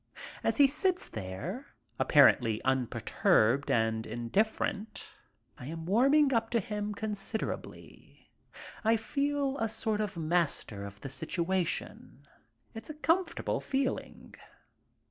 As he sits there, apparently unperturbed and indifferent, I am warming up to him considerably. I feel a sort of master of the situation. It's a comfortable feeling.